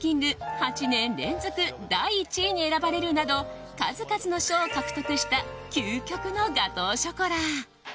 ８年連続第１位に選ばれるなど数々の賞を獲得した究極のガトーショコラ。